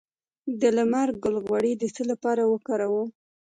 د لمر ګل غوړي د څه لپاره وکاروم؟